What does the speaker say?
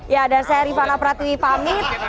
ya dan saya rifana pratwi pamit